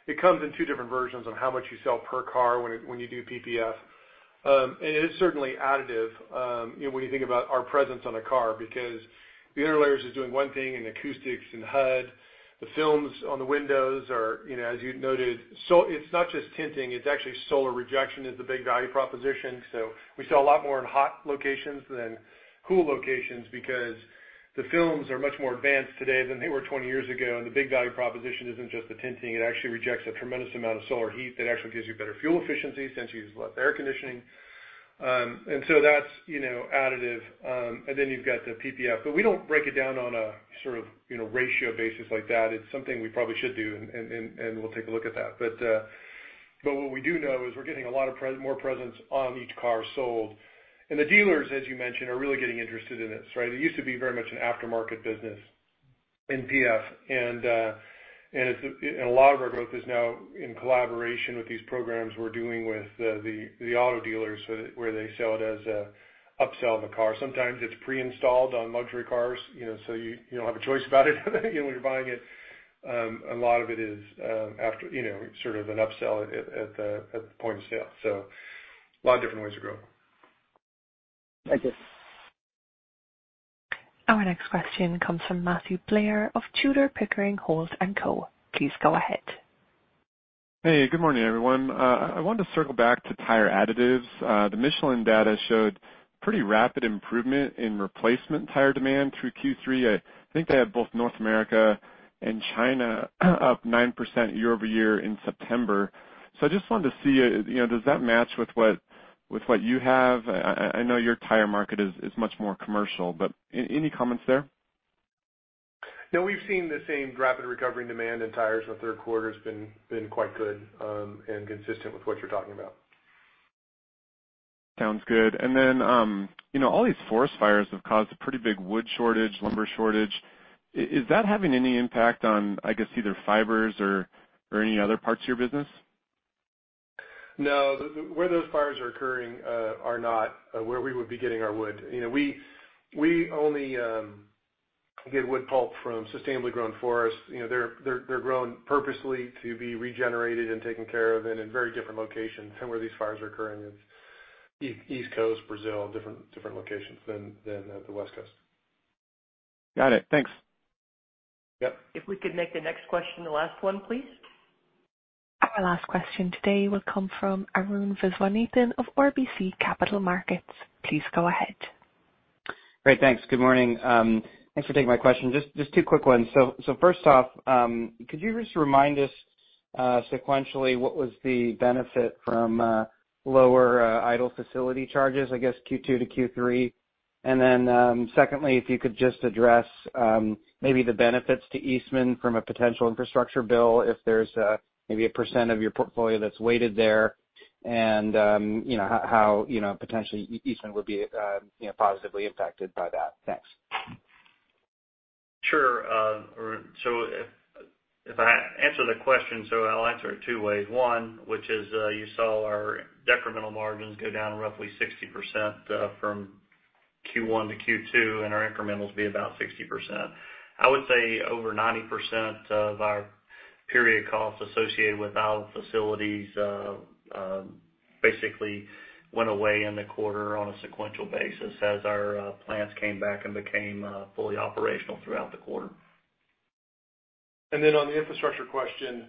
It comes in two different versions on how much you sell per car when you do PPF. It is certainly additive when you think about our presence on a car, because the interlayers is doing one thing in acoustics, in HUD. The films on the windows are, as you noted, so it's not just tinting, it's actually solar rejection is the big value proposition. We sell a lot more in hot locations than cool locations because the films are much more advanced today than they were 20 years ago, and the big value proposition isn't just the tinting. It actually rejects a tremendous amount of solar heat that actually gives you better fuel efficiency since you use less air conditioning. That's additive. You've got the PPF, but we don't break it down on a ratio basis like that. It's something we probably should do, and we'll take a look at that. What we do know is we're getting a lot of more presence on each car sold. The dealers, as you mentioned, are really getting interested in this, right? It used to be very much an aftermarket business in PF. A lot of our growth is now in collaboration with these programs we're doing with the auto dealers, where they sell it as an upsell of a car. Sometimes it's pre-installed on luxury cars, so you don't have a choice about it when you're buying it. A lot of it is after, sort of an upsell at the point of sale. A lot of different ways of growing. Thank you. Our next question comes from Matthew Blair of Tudor, Pickering, Holt & Co. Please go ahead. Hey, good morning, everyone. I wanted to circle back to tire additives. The Michelin data showed pretty rapid improvement in replacement tire demand through Q3. I think they had both North America and China up 9% year-over-year in September. I just wanted to see, does that match with what you have? I know your tire market is much more commercial, but any comments there? No, we've seen the same rapid recovery in demand, and tires in the Q3 has been quite good and consistent with what you're talking about. Sounds good. All these forest fires have caused a pretty big wood shortage, lumber shortage. Is that having any impact on, I guess, either fibers or any other parts of your business? No, where those fires are occurring are not where we would be getting our wood. We only get wood pulp from sustainably grown forests. They're grown purposely to be regenerated and taken care of and in very different locations than where these fires are occurring. It's East Coast, Brazil, different locations than the West Coast. Got it. Thanks. Yep. If we could make the next question the last one, please. Our last question today will come from Arun Viswanathan of RBC Capital Markets. Please go ahead. Great. Thanks. Good morning. Thanks for taking my question. Just two quick ones. First off, could you just remind us sequentially what was the benefit from lower idle facility charges, I guess Q2 to Q3? Secondly, if you could just address maybe the benefits to Eastman from a potential infrastructure bill, if there's maybe a % of your portfolio that's weighted there and how potentially Eastman would be positively impacted by that. Thanks. Sure. If I answer the question, so I'll answer it two ways. One, which is you saw our decremental margins go down roughly 60% from Q1 to Q2, and our incrementals be about 60%. I would say over 90% of our period costs associated with idle facilities basically went away in the quarter on a sequential basis as our plants came back and became fully operational throughout the quarter. On the infrastructure question,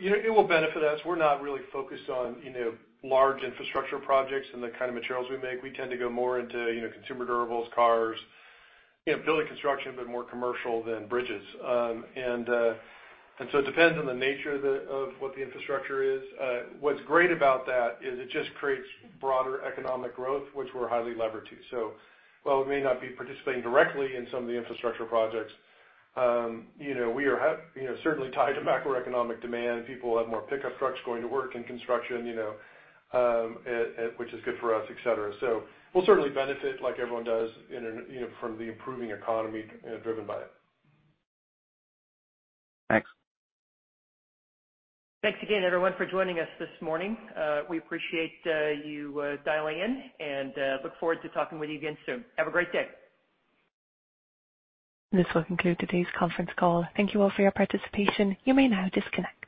it will benefit us. We're not really focused on large infrastructure projects and the kind of materials we make. We tend to go more into consumer durables, cars, Building and Construction, but more commercial than bridges. It depends on the nature of what the infrastructure is. What's great about that is it just creates broader economic growth, which we're highly levered to. While we may not be participating directly in some of the infrastructure projects, we are certainly tied to macroeconomic demand. People have more pickup trucks going to work in construction, which is good for us, et cetera. We'll certainly benefit like everyone does from the improving economy driven by it. Thanks. Thanks again, everyone, for joining us this morning. We appreciate you dialing in and look forward to talking with you again soon. Have a great day. This will conclude today's conference call. Thank you all for your participation. You may now disconnect.